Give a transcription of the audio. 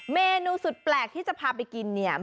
เมนูสุดแปลกที่จะพาไปกินเนี่ย